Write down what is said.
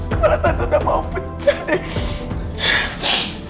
kepala tante udah mau pecah deh